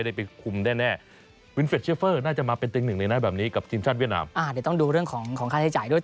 เดี๋ยวต้องดูเรื่องของค่าใช้จ่ายด้วย